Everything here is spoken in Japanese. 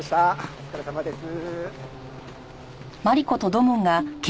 お疲れさまです。